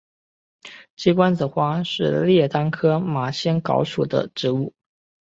鸡冠子花是列当科马先蒿属的植物。